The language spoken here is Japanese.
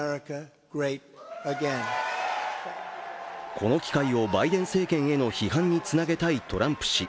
この機会をバイデン政権への批判につなげたいトランプ氏。